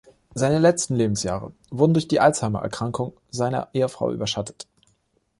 Seine letzten Lebensjahre wurden durch die Alzheimererkrankung seiner Ehefrau überschattet.